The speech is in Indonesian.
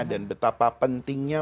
dan betapa pentingnya